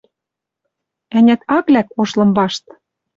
Ӓнят, ак лӓк ош лым вашт.